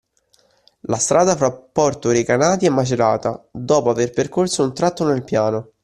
La strada fra Porto Recanati e Macerata, dopo aver percorso un tratto nel piano